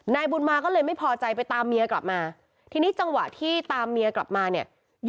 นายบุญมาก็เลยไม่พอใจไปตามเมียกลับมาทีนี้จังหวะที่ตามเมียกลับมาเนี่ย